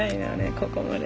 ここまで。